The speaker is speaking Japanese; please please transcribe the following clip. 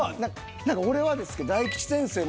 俺はですけど大吉先生も。